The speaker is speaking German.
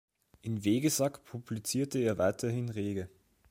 In Vegesack publizierte er weiterhin rege.